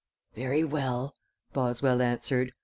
"Very well," Boswell answered.